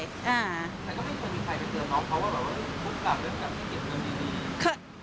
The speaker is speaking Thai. แต่ก็ไม่เคยมีใครไปเจอน้องเขาว่าคุ้นกลับเล่นการเก็บเงินดี